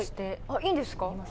あっいいんですか？